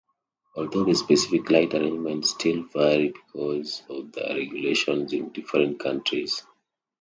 Although the specific light arrangements still vary because of the regulations in different countries.